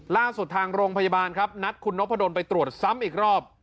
ทางโรงพยาบาลครับนัดคุณนพดลไปตรวจซ้ำอีกรอบ